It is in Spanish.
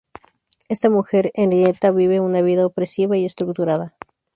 Esta mujer, Henrietta, vive una vida opresiva y estructurada.